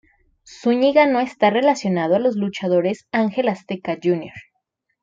Zúñiga no está relacionado a los luchadores "Ángel Azteca, Jr.